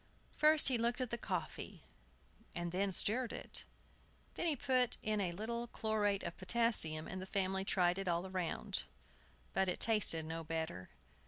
First he looked at the coffee, and then stirred it. Then he put in a little chlorate of potassium, and the family tried it all round; but it tasted no better.